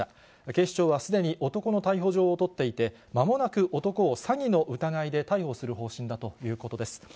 警視庁は、すでに男の逮捕状を取っていて、まもなく男を詐欺の疑いで逮捕する方針だということです。